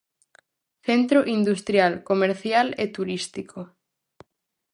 Centro industrial, comercial e turístico.